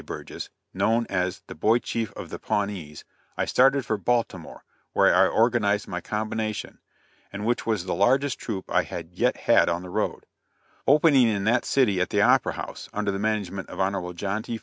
Burgess, known as the "Boy Chief of the Pawnees," I started for Baltimore, where I organized my combination, and which was the largest troupe I had yet had on the road; opening in that city at the Opera House, under the management of Hon. John T.